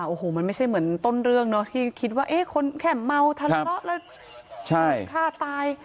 โอ้โหมันไม่ใช่เหมือนต้นเรื่องเนอะที่คิดว่าเอ๊ะคนแค่เมาทะเลาะแล้วใช่ฆ่าตาย